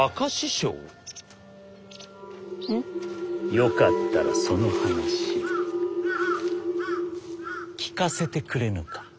よかったらその話聞かせてくれぬか？